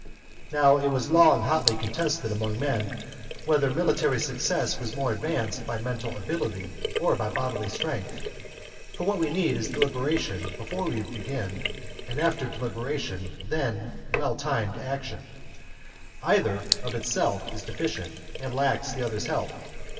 Now it was long hotly contested among men whether military success was more advanced by men tal ability or by bodily strength, for what we need is deliberation before we begin, and after deliberation, then well timed action ; either of itself is deficient and lacks the other's help.